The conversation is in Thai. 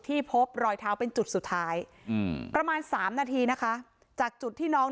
ที่พบรอยเท้าเป็นจุดสุดท้ายประมาณ๓นาทีจากจุดที่น้อง